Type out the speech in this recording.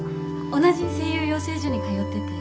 同じ声優養成所に通ってて。